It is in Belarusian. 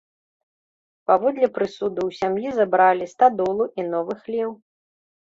Паводле прысуду ў сям'і забралі стадолу і новы хлеў.